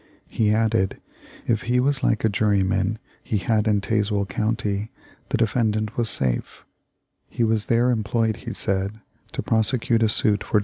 He added, if he was like a juryman he had in Tazewell county, the defendant was safe. He was there employed, he said, to prosecute a suit for * Grant Goodrich, letter, Nov.